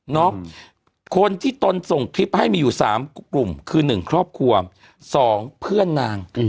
เนาะคนที่ตนส่งคลิปให้มีอยู่สามกลุ่มคือหนึ่งครอบครัวสองเพื่อนนางอืม